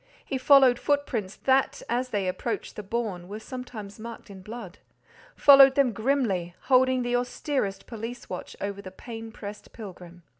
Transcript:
He followed footprints that, as they approached the bourne, were sometimes marked in blood—followed them grimly, holding the austerest police watch over the pain pressed pilgrim.